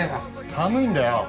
寒いんだよ！